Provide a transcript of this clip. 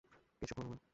কিছু কোরো না।